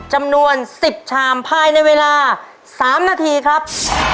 จำนวน๑๐ชามภายในเวลา๓นาทีครับ